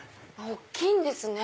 大っきいんですね。